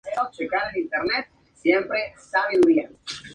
Por su tamaño es la principal reserva forestal de la provincia de Los Santos.